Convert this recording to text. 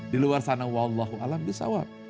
di luar sana wallahu alam disawab